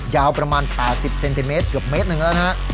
ยาวประมาณ๘๐เซนติเมตรเกือบเมตรหนึ่งแล้วนะฮะ